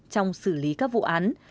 trong xử lý các vụ án